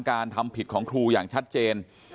การทำผิดของครูอย่างชัดเจน